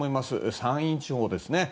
山陰地方ですね。